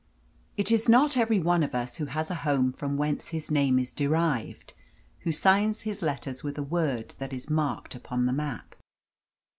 It is not every one of us who has a home from whence his name is derived, who signs his letters with a word that is marked upon the map.